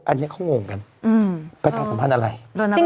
อันนี้เขางงกันประชาสัมพันธ์อะไร